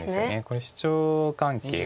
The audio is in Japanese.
これシチョウ関係が。